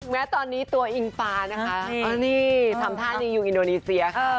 แม้ตอนนี้ตัวอิงฟ้านะคะนี่ทำท่านี้อยู่อินโดนีเซียค่ะ